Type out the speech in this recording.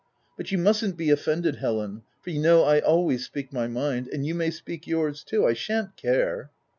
But you mustn't be offended, Helen, for you know I always speak my mind ; and you may speak your's too; I shan't care."